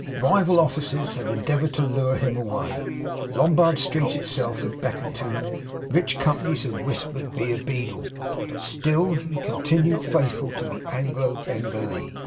Rival offices had endeavoured to lure him away; Lombard Street itself had beckoned to him; rich companies had whispered 'Be a Beadle!' but he still continued faithful to the Anglo Bengalee.